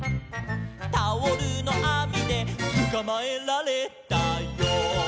「タオルのあみでつかまえられたよ」